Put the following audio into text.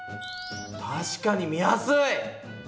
確かに見やすい！